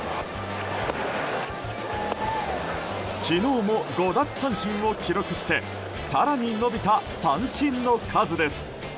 昨日も５奪三振を記録して更に伸びた三振の数です。